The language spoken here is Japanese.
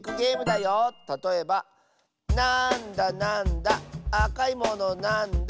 「なんだなんだあかいものなんだ？」